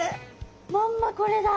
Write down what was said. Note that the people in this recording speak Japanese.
まんまこれだ。